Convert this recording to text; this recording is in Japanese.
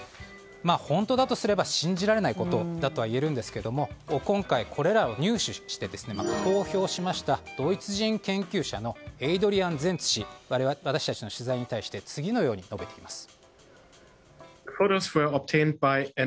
本当だとすれば信じられないことだといえるんですが今回、これらを入手して公表した、ドイツ人研究者のエイドリアン・ゼンツ氏は私たちの取材に対して次のように述べています。